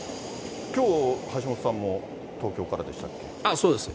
きょう、橋下さんも東京からでそうです。